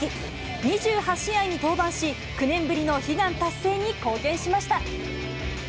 ２８試合に登板し、９年ぶりの悲願達成に貢献しました。